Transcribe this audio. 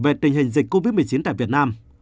về tình hình dịch covid một mươi chín tại việt nam